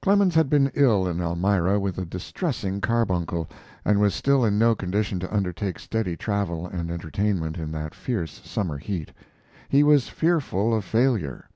Clemens had been ill in Elmira with a distressing carbuncle, and was still in no condition to undertake steady travel and entertainment in that fierce summer heat. He was fearful of failure.